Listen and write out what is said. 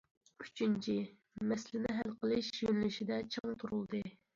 ئۈچىنچى، مەسىلىنى ھەل قىلىش يۆنىلىشىدە چىڭ تۇرۇلدى.